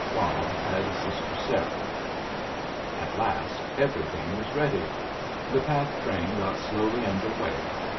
Bob had Sister Sarah. At last, everything was ready. The pack train got slowly under way.